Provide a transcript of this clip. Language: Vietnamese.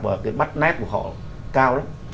và cái mắt nét của họ cao lắm